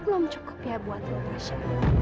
belum cukup ya buat lo tasha